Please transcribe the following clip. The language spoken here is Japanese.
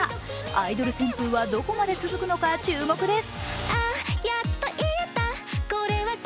「アイドル」旋風はどこまで続くのか、注目です！